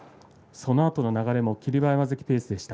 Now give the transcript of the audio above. そのあとの流れも霧馬山関ペースでした。